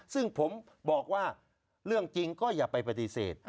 ซึ่งผมบอกว่าเรื่องจริงก็อย่าไปปฏิเสธ